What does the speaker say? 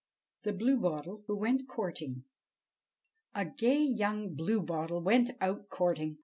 The Bluebottle Who Went Courting A gay young Bluebottle went out courting.